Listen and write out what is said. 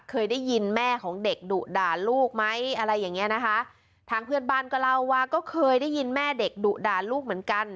เคยได้ยินแม่ของเด็กดุด่าลูกไหมอะไรอย่างเงี้ยนะคะทางเพื่อนบ้านก็เล่าว่าก็เคยได้ยินแม่เด็กดุด่าลูกเหมือนกัน